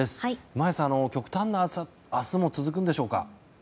眞家さん、極端な暑さ明日も続くんでしょうか。